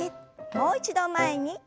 もう一度前に。